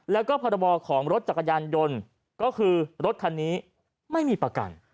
แล้วก็พรบของรถจักรยานยนต์ก็คือรถคันนี้ไม่มีประกัน